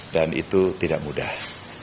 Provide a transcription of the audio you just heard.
dan itu tidak mudah